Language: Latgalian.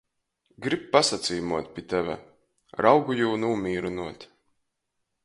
Gryb pasacīmuot pi teve! raugu jū nūmīrynuot.